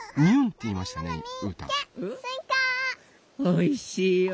おいしいよ。